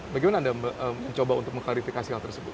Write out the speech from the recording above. bagaimana anda mencoba untuk mengklarifikasi hal tersebut